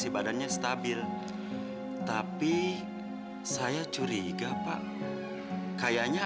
selamat malam asti sep manya